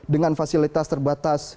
dengan fasilitas terbatas